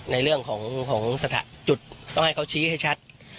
ในเรื่องของสถานะจุดต้องให้เขาชี้ให้ชัด